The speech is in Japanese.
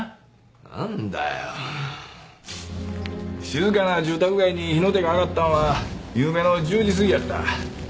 静かな住宅街に火の手が上がったのはゆうべの１０時過ぎやった。